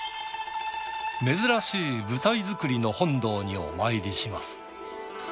珍しい舞台造りの本堂にお参りします。